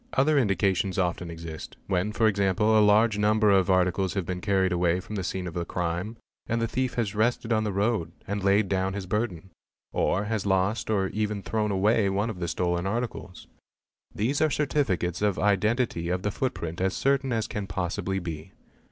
_ Other indications often exist: when for example a large number of articles have been carried away from the scene of the crime and the thief has rested on the road, and laid down his burden; or has lost or even thrown away one of the stolen articles. These are certificates of identity of the footprint as certain as can possibly be.